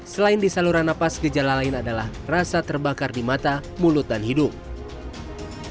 selain di saluran nafas gejala lain adalah rasa terbakar di mata mulut dan hidung